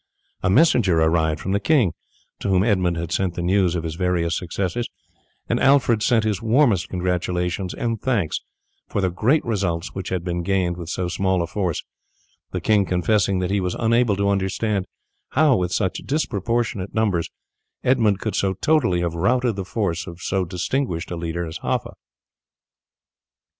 A messenger arrived from the king, to whom Edmund had sent the news of his various successes, and Alfred sent his warmest congratulations and thanks for the great results which had been gained with so small a force, the king confessing that he was unable to understand how with such disproportionate numbers Edmund could so totally have routed the force of so distinguished a leader as Haffa.